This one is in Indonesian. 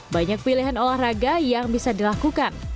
banyak pilihan olahraga yang bisa dilakukan